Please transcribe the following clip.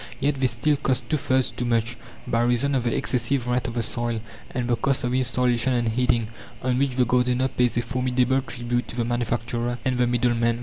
Yet they still cost two thirds too much, by reason of the excessive rent of the soil and the cost of installation and heating, on which the gardener pays a formidable tribute to the manufacturer and the middleman.